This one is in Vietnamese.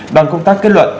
đoàn công tác kết luận